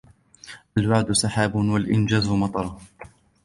الوعد سحاب والإنجاز مطره.